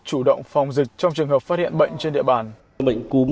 chủ động phòng dịch trong trường hợp phát hiện bệnh trên địa bàn